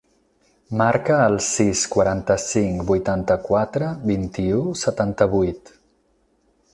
Marca el sis, quaranta-cinc, vuitanta-quatre, vint-i-u, setanta-vuit.